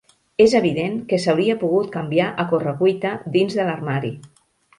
És evident que s'hauria pogut canviar a corre-cuita dins de l'armari.